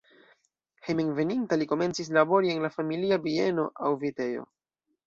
Hejmenveninta li komencis labori en la familia bieno aŭ vitejo.